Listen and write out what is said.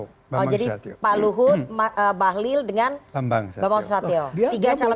oh jadi pak luhut bahlil dengan bambang susatio